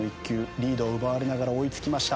リードを奪われながら追いつきました。